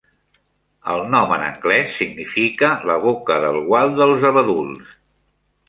El nom en anglès significa "La Boca del Gual dels Abeduls".